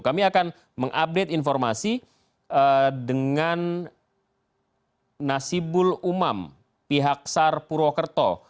kami akan mengupdate informasi dengan nasibul umam pihak sar purwokerto